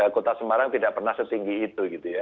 kota semarang tidak pernah setinggi itu